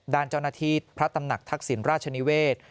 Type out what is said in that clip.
ด้านเจ้าหน้าที่พระตำหนักทักษิณราชนิเวศ